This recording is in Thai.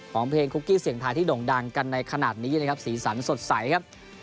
เพลงคุกกี้เสียงทายที่ด่งดังกันในขณะนี้นะครับสีสันสดใสครับ